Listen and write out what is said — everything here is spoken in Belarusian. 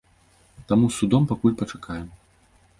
Таму з судом пакуль пачакаем.